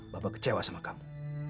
bapak kecewa sama kamu